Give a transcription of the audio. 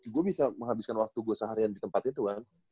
gue bisa menghabiskan waktu gue seharian di tempat itu kan